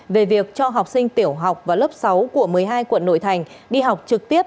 về việc cho học sinh tiểu học và lớp sáu của một mươi hai quận nội thành đi học trực tiếp